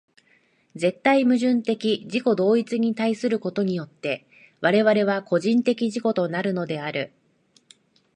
絶対矛盾的自己同一に対することによって我々は個人的自己となるのである。